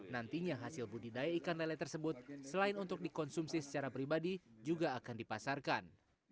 nantinya hasil budidaya ikan lele tersebut selain untuk dikonsumsi secara pribadi juga akan dipasarkan